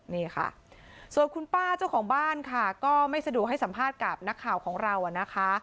นี่ค่ะส่วนคุณป้าเจ้าของบ้านค่ะก็ไม่สะดวกให้สัมภาษณ์กับนักข่าวของเรานะคะ